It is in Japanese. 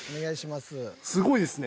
すごいですね